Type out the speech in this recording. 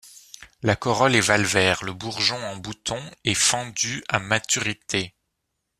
La corolle est valvaire, le bourgeon en bouton et fendu à maturité.